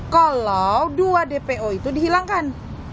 kalau dua dpo itu dihilangkan